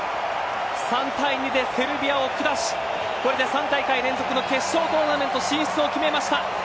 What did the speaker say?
３対２でセルビアを下しこれで３大会連続の決勝トーナメント進出を決めました。